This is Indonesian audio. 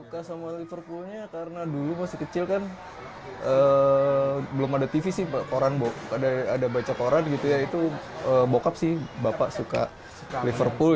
kalau belum ada tv sih ada baca koran gitu ya itu bokap sih bapak suka liverpool